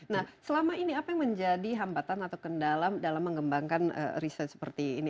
nah selama ini apa yang menjadi hambatan atau kendala dalam mengembangkan riset seperti ini